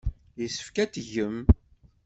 Yessefk ad t-tgem.